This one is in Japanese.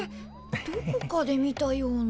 どこかで見たような。